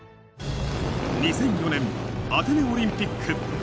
２００４年、アテネオリンピック。